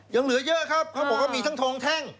ยังเหลือเยอะครับก็มีทั้งทรงแท่ง